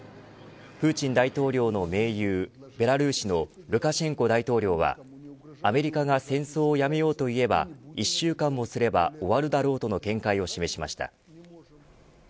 プーチン大統領の盟友ベラルーシのルカシェンコ大統領はアメリカが戦争をやめようといえば１週間もすれば終わるだろうとの見解を示しました。